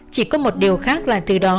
chỉ có một điều khác là từ đó